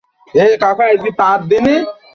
শালী শেষই হয় না।